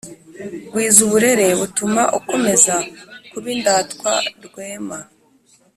gwiza uburere butuma ukomeza kuba indatwa rwema.